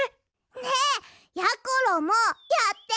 ねえやころもやって！